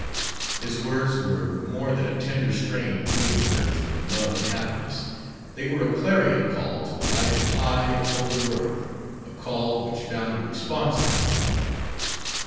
His words were more than a tender strain wooing her to love and happiness, they were a clarion call to a life of high and holy worth, a call which found a response in her heart.